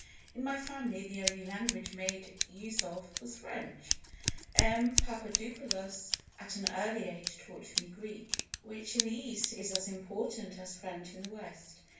In my family the only language made use of was French. M. Papadopoulos at an early age taught me Greek, which in the East is as important as French in the West.